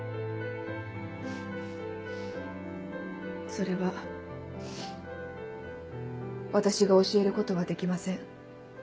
それは私が教えることはできません。